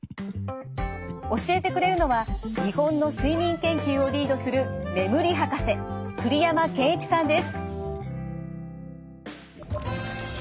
教えてくれるのは日本の睡眠研究をリードする眠り博士栗山健一さんです。